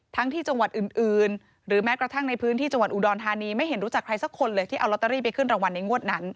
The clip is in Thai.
ที่จังหวัดอื่นหรือแม้กระทั่งในพื้นที่จังหวัดอุดรธานีไม่เห็นรู้จักใครสักคนเลยที่เอาลอตเตอรี่ไปขึ้นรางวัลในงวดนั้น